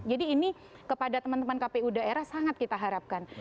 ini kepada teman teman kpu daerah sangat kita harapkan